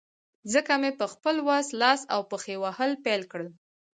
ځکه مې په خپل وس، لاس او پښې وهل پیل کړل.